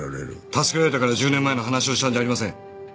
助けられたから１０年前の話をしたんじゃありません。